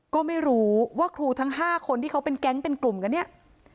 ก็ไม่รู้ว่าครูทั้ง๕คนที่เขาเป็นแก๊งเป็นกลุ่มกันเนี่ย